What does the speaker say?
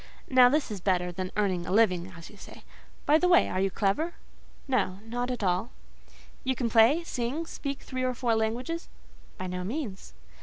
Now, this is better than 'earning a living,' as you say. By the way, are you clever?" "No—not at all." "You can play, sing, speak three or four languages?" "By no means."